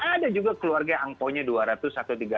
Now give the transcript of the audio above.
ada juga keluarga yang angpaonya dua ratus